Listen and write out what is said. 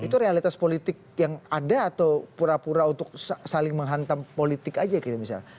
itu realitas politik yang ada atau pura pura untuk saling menghantam politik aja gitu misalnya